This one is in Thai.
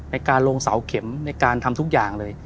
การลงเสาเข็มในการทำทุกอย่างเลย